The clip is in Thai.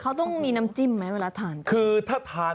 เขาต้องมีน้ำจิ้มไหมเวลาทาน